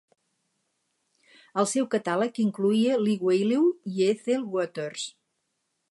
El seu catàleg incloïa Lee Wiley i Ethel Waters.